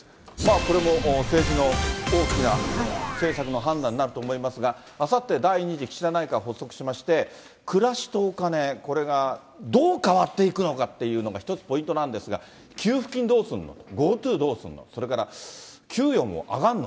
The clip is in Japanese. これも政治の大きな政策の判断になると思いますが、あさって、第２次岸田内閣発足しまして、暮らしとお金、これがどう変わっていくのかっていうのが一つポイントなんですが、給付金どうするの、ＧｏＴｏどうするの、それから給与も上がんの？